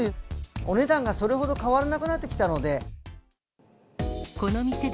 お値段がそれほど変わらなくなってきたので。